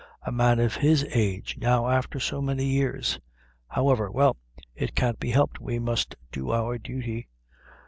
A man of his age, now afther so many years! However well it can't be helped; we must do our duty."